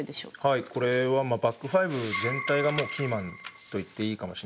はいこれはバックファイブ全体がもうキーマンと言っていいかもしれないです。